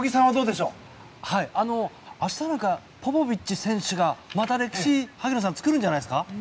明日はポポビッチ選手がまた歴史作るんじゃないですか。